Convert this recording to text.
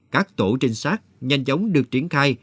các tổ trinh sát nhanh chóng được triển khai